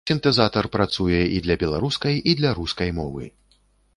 Сінтэзатар працуе і для беларускай, і для рускай мовы.